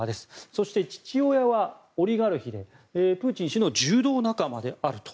そして父親はオリガルヒでプーチン氏の柔道仲間であると。